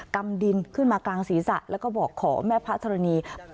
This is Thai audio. กำดินขึ้นมากลางศีรษะแล้วก็บอกขอแม่พระธรณี